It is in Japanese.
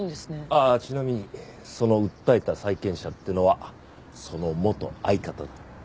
あっちなみにその訴えた債権者っていうのはその元相方だ。